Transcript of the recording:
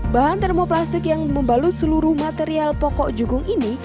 bahan termoplastik yang membalut seluruh material pokok jukung ini